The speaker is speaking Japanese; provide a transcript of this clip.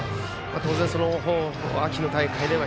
当然、秋の大会では